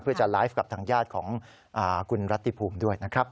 เพื่อจะไลฟ์กับทางญาติของคุณรัติภูมิด้วยนะครับ